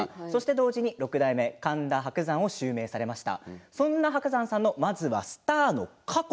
同時に六代目神田伯山を襲名されました。